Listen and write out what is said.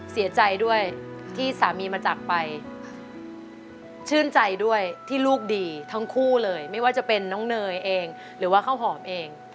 เสียใจด้วยที่สามีมาจากไปชื่นใจด้วยที่ลูกดีทั้งคู่เลยไม่ว่าจะเป็นน้องเนยเองหรือว่าข้าวหอมเอง